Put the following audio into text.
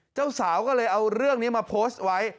เจ้าสาวก็เลยเอาเรื่องนี้มาโพสต์ไว้